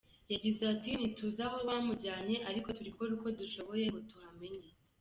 Yagize ati “ Ntituzi aho bamujyanye ariko turi gukora uko dushoboye ngo tuhamenye.